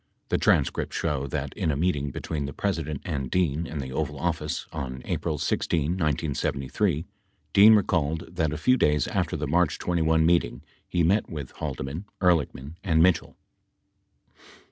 The transcripts show that, in a meeting between the President and Dean in the Oval Office on April 16, 1973, Dean recalled that a few days after the March 21 meeting he met with Haldeman, Ehrlichman and Mitchell.